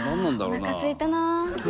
「おなかすいたな」